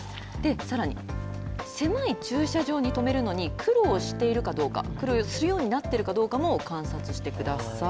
さらに狭い駐車場に止めるのに苦労しているかどうか苦労するようになっているかどうかも観察してください。